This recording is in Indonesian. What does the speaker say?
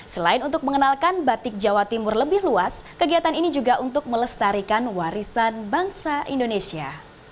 selain untuk mengenalkan batik jawa timur lebih luas kegiatan ini juga untuk melestarikan warisan bangsa indonesia